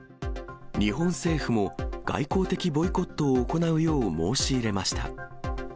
日本政府も外交的ボイコットを行うよう申し入れました。